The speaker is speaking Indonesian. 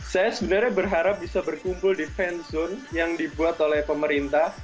saya sebenarnya berharap bisa berkumpul di fan zone yang dibuat oleh pemerintah